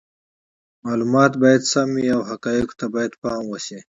معلومات باید سم وي او حقایقو ته باید پام وشي.